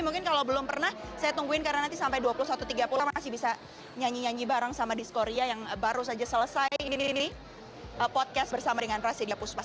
mungkin kalau belum pernah saya tungguin karena nanti sampai dua puluh satu tiga puluh masih bisa nyanyi nyanyi bareng sama disco ria yang baru saja selesai ini podcast bersama dengan rasidya puspa